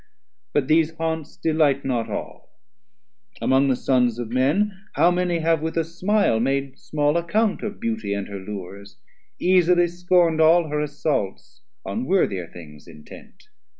But these haunts Delight not all; among the Sons of Men, How many have with a smile made small account Of beauty and her lures, easily scorn'd All her assaults, on worthier things intent?